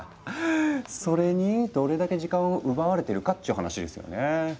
それにどれだけ時間を奪われてるかっちゅう話ですよね。